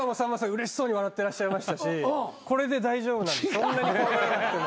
うれしそうに笑ってらっしゃいましたしこれで大丈夫そんなに怖がらなくても。